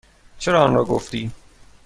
چرا آنرا گفتی؟